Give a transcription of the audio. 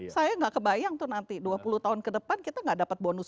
saya nggak kebayang tuh nanti dua puluh tahun ke depan kita nggak dapat bonus